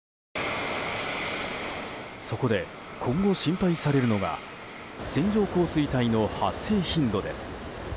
そこで今後心配されるのが線状降水帯の発生頻度です。